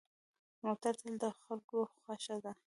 موټر تل د خلکو خوښه ده.